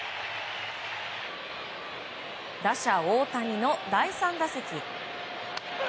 打者・大谷の第３打席。